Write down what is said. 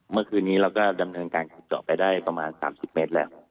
เมื่อคืนนี้เราก็ดำเนินการขุดเจาะไปได้ประมาณ๓๐เมตรแล้ว